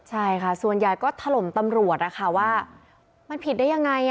ใช่ค่ะส่วนใหญ่ก็ถล่มตำรวจนะคะว่ามันผิดได้ยังไง